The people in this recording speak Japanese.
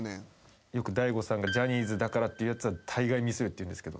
よく大悟さんがジャニーズだからって言うやつはたいがいミスるって言うんですけど。